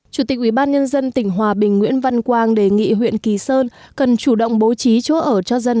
chủ tịch ubnd tỉnh hòa bình nguyễn văn quang đề nghị huyện kỳ sơn cần chủ động bố trí chỗ ở cho dân